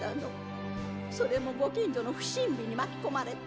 それもご近所の不審火に巻き込まれて。